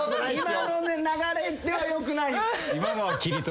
今の流れではよくない。